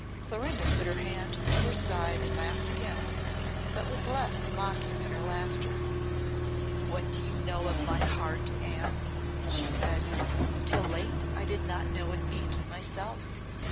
Clorinda put her hand to her side and laughed again, but with less mocking in her laughter. "What do you know of my heart, Anne?" she said. "Till late I did not know it beat, myself.